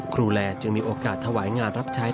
แลจึงมีโอกาสถวายงานรับใช้